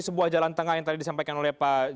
sebuah jalan tengah yang tadi disampaikan oleh pak